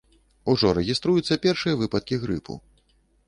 Ужо рэгіструюцца першыя выпадкі грыпу.